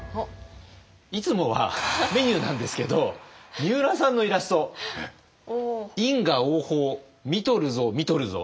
いつもはメニューなんですけどみうらさんのイラスト「因果応報っ！！見とるぞ見とるぞ」。